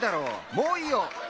もういいよっ！